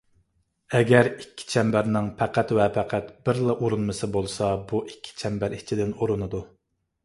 ئەگەر ئىككى چەمبەرنىڭ پەقەت ۋە پەقەت بىرلا ئۇرۇنمىسى بولسا، بۇ ئىككى چەمبەر ئىچىدىن ئۇرۇنىدۇ.